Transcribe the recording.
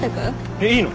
えっいいの？